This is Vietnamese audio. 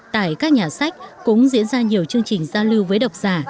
tại các nhà sách cũng diễn ra nhiều chương trình giao lưu với độc giả